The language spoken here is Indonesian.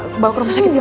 ke bau kerum sakit jawa